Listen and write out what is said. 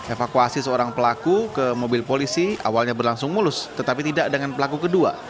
evakuasi seorang pelaku ke mobil polisi awalnya berlangsung mulus tetapi tidak dengan pelaku kedua